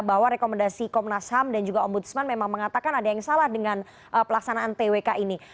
bahwa rekomendasi komnas ham dan juga ombudsman memang mengatakan ada yang salah dengan pelaksanaan twk ini